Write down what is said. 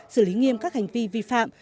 xử lý nghiêm các hành vi vi phạm